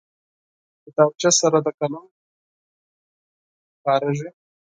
کتابچه سره د قلم کارېږي